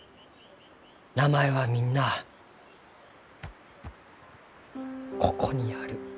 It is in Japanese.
名前はみんなあここにある。